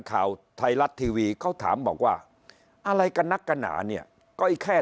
ข่าวไทยรัฐทีวีเขาถามบอกว่าอะไรกันนักกันหนาเนี่ยก็อีกแค่